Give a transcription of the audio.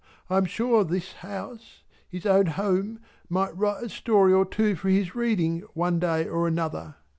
"I am sure this house his own home might write a story or two for his reading one day or another."